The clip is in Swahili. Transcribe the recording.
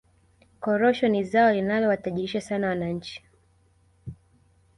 korosho ni zao linalowatajirisha sana wananchi